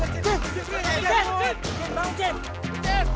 cien bangu cien